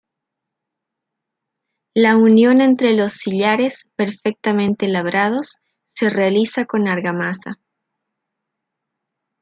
La unión entre los sillares, perfectamente labrados, se realiza con argamasa.